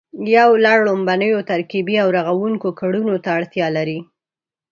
یو لړ ړومبنیو ترکیبي او رغوونکو کړنو ته اړتیا لري